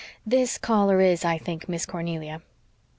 "This caller is, I think, Miss Cornelia."